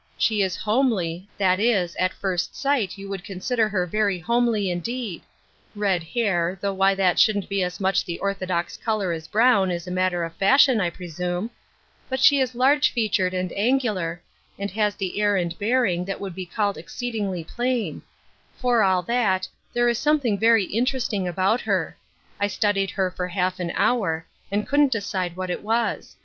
She is homely ; that is, at first sight you would consider her very homely indeed; red hair — though why that shouldn't be as much the orthodox color as brown, is a matter of fashion I presume — but she is large featured, and angular, and has the air and bearing that would be called exceedingly plain ; for all that, there is something very interesting about her ; I studied her for half an hour, and couldn't decide what it was.